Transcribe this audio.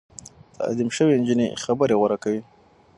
تعليم شوې نجونې خبرې غوره کوي.